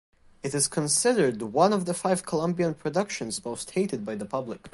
It is considered one of the five Colombian productions most hated by the public.